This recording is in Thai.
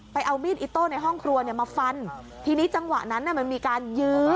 ไปเอามีดอิ๊กโต้ในห้องครัวมาฟันทีนี้จังหวะนั้นมันมีการย็๊ะ